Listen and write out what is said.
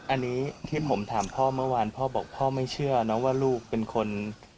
อันนี้ที่ผมถามพ่อเมื่อวานพ่อบอกพ่อไม่เชื่อนะว่าลูกเป็นคน